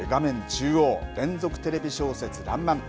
中央、連続テレビ小説らんまん。